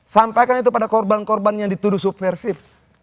sampaikan itu pada korban korban yang dituduh subversif